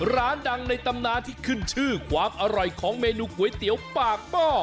ร้านดังในตำนานที่ขึ้นชื่อความอร่อยของเมนูก๋วยเตี๋ยวปากหม้อ